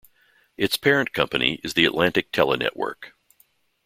Its parent company is the Atlantic Tele-Network.